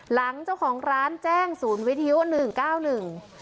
หลังเจ้าของร้านแจ้งศูนย์วิทยุหนึ่งเก้าหนึ่ง